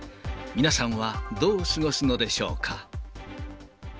皆さんはどう過ごすのでしょうか。